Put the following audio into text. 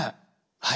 はい。